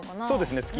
そうですね。